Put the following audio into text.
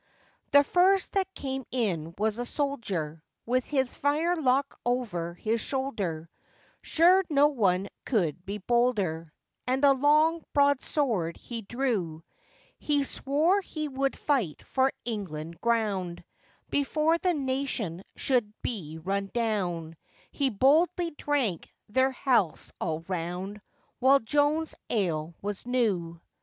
The first that came in was a soldier, With his firelock over his shoulder, Sure no one could be bolder, And a long broad sword he drew: He swore he would fight for England's ground, Before the nation should be run down; He boldly drank their healths all round, While Joan's ale was new.